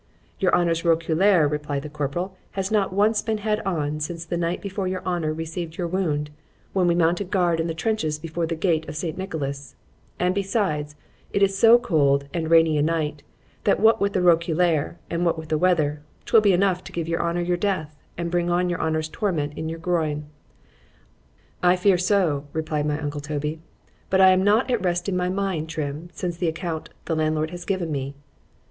——Your honour's roquelaure, replied the corporal, has not once been had on, since the night before your honour received your wound, when we mounted guard in the trenches before the gate of St. Nicholas;—and besides, it is so cold and rainy a night, that what with the roquelaure, and what with the weather, 'twill be enough to give your honour your death, and bring on your honour's torment in your groin. I fear so, replied my uncle Toby; but I am not at rest in my mind, Trim, since the account the landlord has given me.